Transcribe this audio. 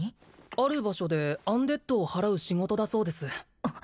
ある場所でアンデッドをはらう仕事だそうです